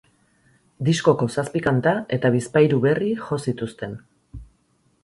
Diskoko zazpi kanta eta bizpahiru berri jo zituzten.